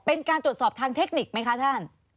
เป็นการตรวจสอบทางเทคนิคไหมคะท่าน